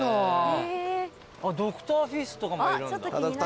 ドクターフィッシュとかもいるんだ。